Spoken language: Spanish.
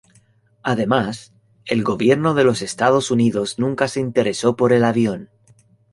Además, el gobierno de los Estados Unidos nunca se interesó por el avión.